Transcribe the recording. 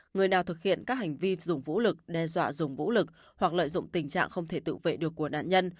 người nào thực hiện các hành vi dùng vũ lực đe dọa dùng vũ lực hoặc lợi dụng tình trạng không thể tự vệ được của nạn nhân